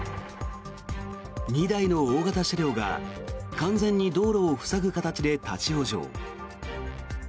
２台の大型車両が完全に道路を塞ぐ形で立ち往生。